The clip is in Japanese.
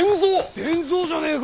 伝蔵じゃねぇか。